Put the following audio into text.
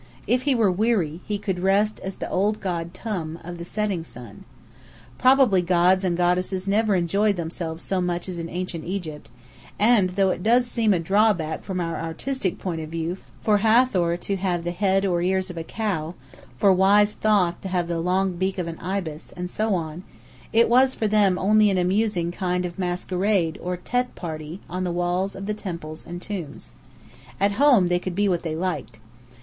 If he were weary, he could rest as the old god Tum, of the Setting Sun. Probably gods and goddesses never enjoyed themselves so much as in Ancient Egypt; and though it does seem a drawback from our artistic point of view for Hathor to have the head or ears of a cow, for wise Thoth to have the long beak of an ibis, and so on, it was for them only an amusing kind of masquerade or 'tête' party, on the walls of the temples and tombs. At home, they could be what they liked.